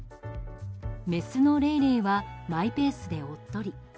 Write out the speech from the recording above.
メスのレイレイはマイペースでおっとり。